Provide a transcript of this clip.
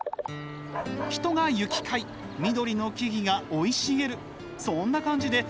人が行き交い緑の木々が生い茂る。